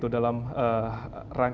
dalam hal ini